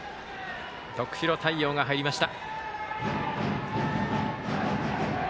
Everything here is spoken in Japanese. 太陽が入りました。